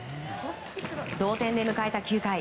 同点で迎えた９回。